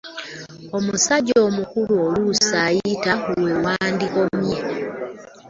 Omusajja omukulu oluusi oyita we wandikomye.